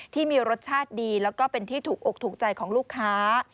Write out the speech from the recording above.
ที่มีรสชาติดีแล้วก็เป็นที่ถูกอกถูกใจของลูกค้า